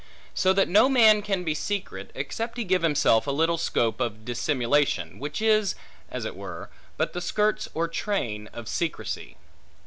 So that no man can be secret, except he give himself a little scope of dissimulation; which is, as it were, but the skirts or train of secrecy.